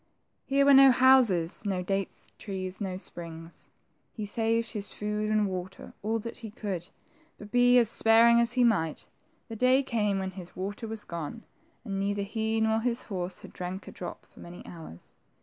Here were no houses, no date trees, no springs. He saved his food and water, all that he could, but be as sparing as he might, the day came when his water was gone, and neither he nor his horse had drank a drop for many hours.